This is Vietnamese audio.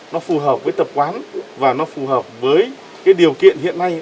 nó phù hợp với tập quán và nó phù hợp với cái điều kiện hiện nay